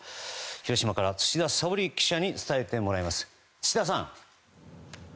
広島から土田沙織記者に伝えてもらいます。